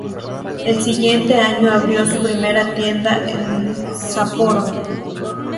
El siguiente año abrió su primera tienda en Sapporo.